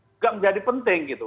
juga menjadi penting gitu